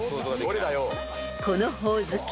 ［この「ほおずき」